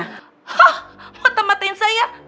hah mata matain saya